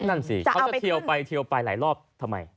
นั่นสิเขาจะเทียวไปเทียวไปหลายรอบทำไม